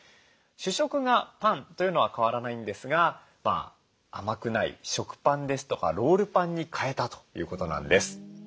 主食がパンというのは変わらないんですが甘くない食パンですとかロールパンに替えたということなんです。